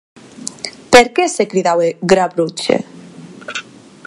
Per qué se cridaue Gravroche?